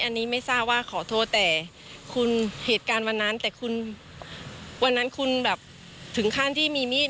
อันนี้ไม่ทราบว่าขอโทษแต่คุณเหตุการณ์วันนั้นแต่คุณวันนั้นคุณแบบถึงขั้นที่มีมีด